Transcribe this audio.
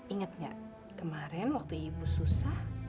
ingat nggak kemarin waktu ibu susah